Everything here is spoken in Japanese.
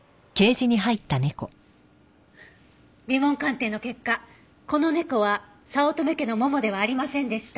鼻紋鑑定の結果この猫は早乙女家のももではありませんでした。